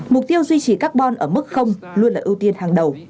mục tiêu duy trì carbon ở mức luôn là ưu tiên hàng đầu